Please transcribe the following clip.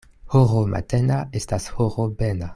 Horo matena estas horo bena.